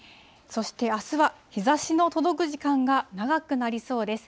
そしてあすは日ざしの届く時間が長くなりそうです。